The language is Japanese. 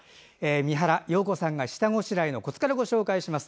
三原葉子さんが下ごしらえのコツから教えていただきます。